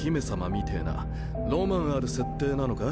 みてぇなロマンある設定なのか？